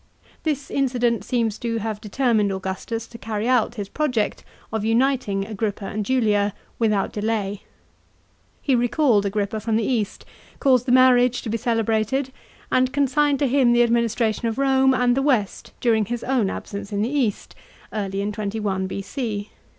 This incident seems to have determined Augustus to carry out his project of uniting Agrippa and Julia without delay. He recalled Agrippa from the east, caused the marriage to be celebrated, and consigned to him the administration of Borne and the west during his own absence in the east (early in 21 B.C.).